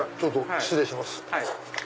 失礼します。